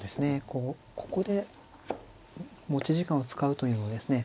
こうここで持ち時間を使うというのはですね